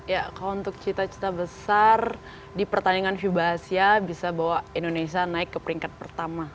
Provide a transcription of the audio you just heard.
ya kalau untuk cita cita besar di pertandingan fiba asia bisa bawa indonesia naik ke peringkat pertama